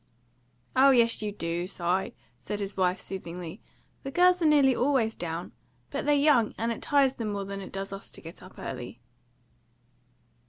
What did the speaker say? "Oh yes, you do, Si," said his wife soothingly. "The girls are nearly always down. But they're young, and it tires them more than it does us to get up early."